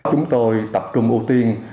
chúng tôi tập trung ưu tiên